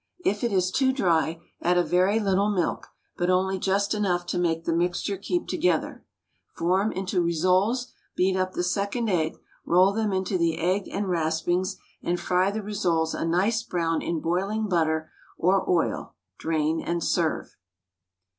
If it is too dry, add a very little milk, but only just enough to make the mixture keep together. Form into rissoles, beat up the second egg, roll them into the egg and raspings, and fry the rissoles a nice brown in boiling butter or oil. Drain and serve.